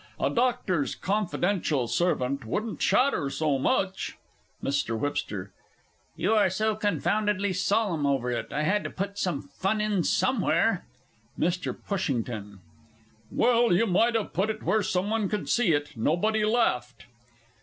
A Doctor's confidential servant wouldn't chatter so much! MR. WHIPSTER. You were so confoundedly solemn over it, I had to put some fun in somewhere! MR. P. Well, you might have put it where some one could see it. Nobody laughed.